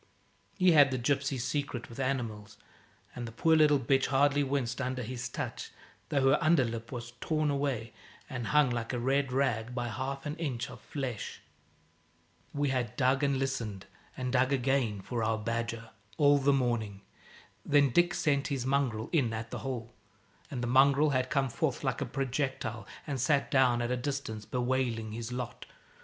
He had the gypsy's secret with animals, and the poor little bitch hardly winced under his touch, though her under lip was torn away, and hung, like a red rag, by half an inch of flesh. We had dug and listened and dug again for our badger, all the morning. Then Dick sent his mongrel in at the hole, and the mongrel had come forth like a projectile and sat down at a distance, bewailing his lot.